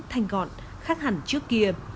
thanh gọn khắc hẳn trước kia